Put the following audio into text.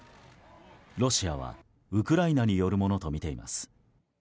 ロシアはウクライナによるものとみています。